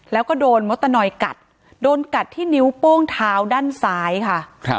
แล้วก็โดนมดตะนอยกัดโดนกัดที่นิ้วโป้งเท้าด้านซ้ายค่ะ